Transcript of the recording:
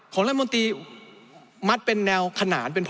ของล่ามวนตรีมัดเป็นแนวขนาด